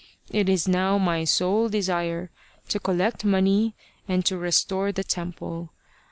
It is now my sole desire to collect money and to restore the temple.